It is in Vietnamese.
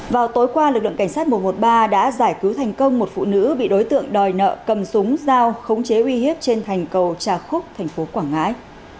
vào tối qua lực lượng cảnh sát một trăm một mươi ba đã giải cứu thành công một phụ nữ bị đối tượng đòi nợ cầm súng dao khống chế uy hiếp trên thành cầu trà khúc thành phố quảng ngãi